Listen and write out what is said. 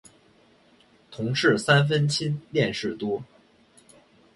同事三分亲恋事多。